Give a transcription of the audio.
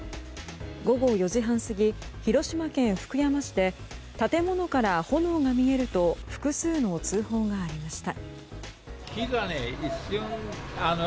午後４時半過ぎ、広島県福山市で建物から炎が見えると複数の通報がありました。